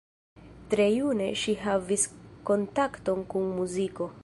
Tre june ŝi havis kontakton kun muziko.